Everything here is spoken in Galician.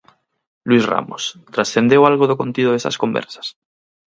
Luís Ramos, transcendeu algo do contido desas conversas?